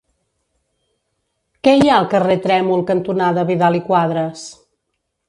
Què hi ha al carrer Trèmol cantonada Vidal i Quadras?